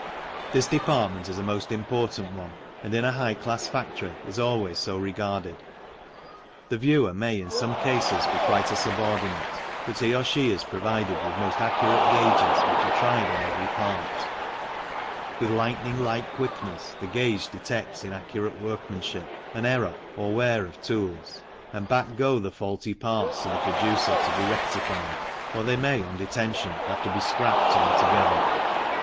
This department is a most important one, and in a high class factory is always so regarded. The viewer may in some cases be quite a subordinate, but he or she is provided with most accurate gauges which are tried on every part ; with lightning like quickness the gauge detects inaccurate workmanship, an error or wear of tools, and back go the faulty parts to the producer to be rectified or they may, on detection , have to be scrapped altogether.